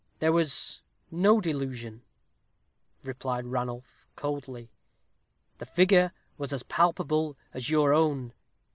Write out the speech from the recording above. "There was no delusion," replied Ranulph, coldly; "the figure was as palpable as your own.